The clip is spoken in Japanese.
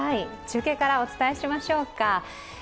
中継からお伝えしましょうか。